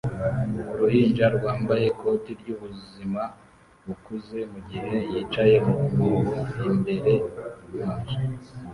Uruhinja rwambaye ikoti ryubuzima bukuze mugihe yicaye mu mwobo imbere mu nzu